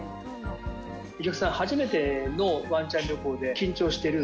お客さんが初めてのワンちゃん旅行で緊張してる。